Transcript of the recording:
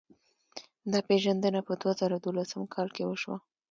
دا پېژندنه په دوه زره دولسم کال کې وشوه.